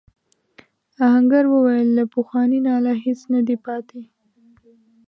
آهنګر وویل له پخواني ناله هیڅ نه دی پاتې.